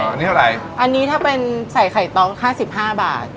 อันนี้อะไรอันนี้ถ้าเป็นใส่ไข่ตอง๕๕บาท